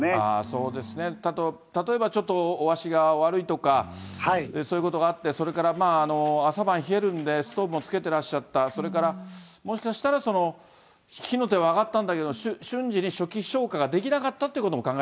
そうですね、例えばちょっとお足が悪いとか、そういうことがあって、それからまあ、朝晩冷えるんで、ストーブもつけてらっしゃった、それからもしかしたら、火の手は上がったんだけれども、瞬時に初期消火ができなかったっ